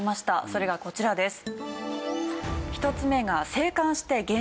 それがこちらです。